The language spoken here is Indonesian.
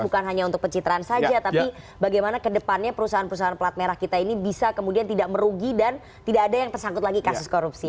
bukan hanya untuk pencitraan saja tapi bagaimana kedepannya perusahaan perusahaan pelat merah kita ini bisa kemudian tidak merugi dan tidak ada yang tersangkut lagi kasus korupsi